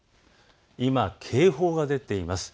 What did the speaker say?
今、警報が出ています。